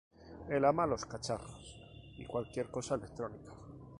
Él ama los cacharros y cualquier cosa electrónica.